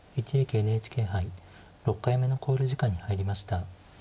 一力ＮＨＫ杯６回目の考慮時間に入りました。